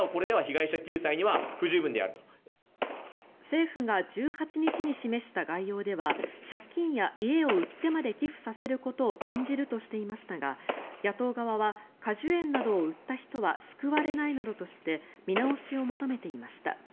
政府が１８日に示した概要では借金や家を売ってまで寄付させることを禁じるとしていましたが野党側は果樹園などを売った人は救われないなどとして見直しを求めていました。